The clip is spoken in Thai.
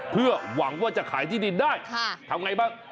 เพื่อหวังว่าจะขายที่ดินได้ทำไงบ้าง